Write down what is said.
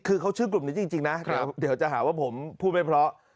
คือเขาชื่อกลุ่มนี้จริงนะเดี๋ยวจะหาว่าผมพูดไม่เพราะ